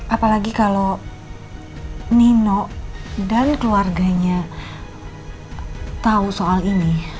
apalagi kalau nino dan keluarganya tahu soal ini